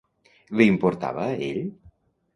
Li importava a ell?